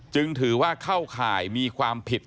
จึงถือว่าเข้าข่ายมีความผิด